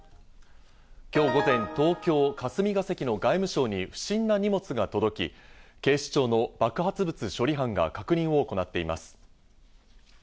今日午前、東京・霞が関の外務省に不審な荷物が届き、警視庁の爆発物処理班が確認を行っています。